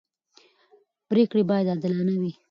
پرېکړې باید عادلانه وي